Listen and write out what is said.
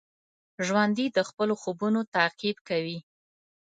ژوندي د خپلو خوبونو تعقیب کوي